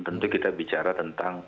tentu kita bicara tentang